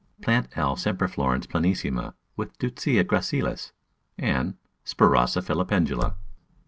Plant L. semperflorens plenissima with Deutzia gracilis and Spiraea filipendula.